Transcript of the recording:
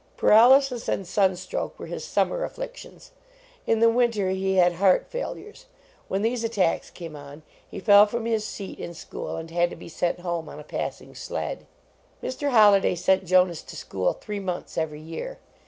Paralysis and sunstroke were his summer afflictions. In the winter he had heart fail ures. When these attacks came on, he fell from his seat in school and had to be sent home on a passing sled. Mr. Holliday sent Jonas to school three months every year.